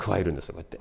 こうやって。